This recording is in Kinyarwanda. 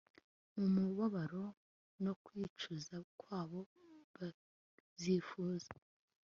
Mu mubabaro no kwicuza kwabo bazifuza